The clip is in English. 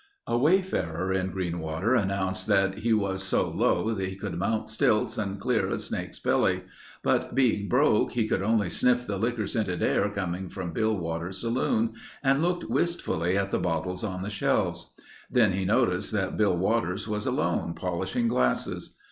A wayfarer in Greenwater announced that he was so low he could mount stilts and clear a snake's belly, but being broke, he could only sniff the liquor scented air coming from Bill Waters's saloon and look wistfully at the bottles on the shelves. Then he noticed that Bill Waters was alone, polishing glasses.